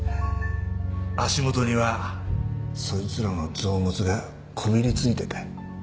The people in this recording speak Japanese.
足元にはそいつらの臓物がこびりついてた。